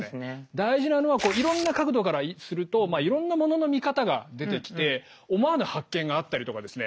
大事なのはいろんな角度からするといろんなものの見方が出てきて思わぬ発見があったりとかですね